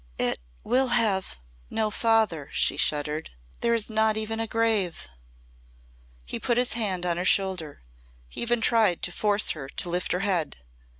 "It will have no father," she shuddered. "There is not even a grave." He put his hand on her shoulder he even tried to force her to lift her head.